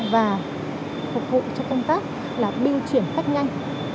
và phục vụ cho công tác là biêu chuyển phát nhanh